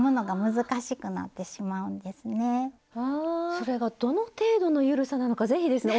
それがどの程度の緩さなのか是非ですね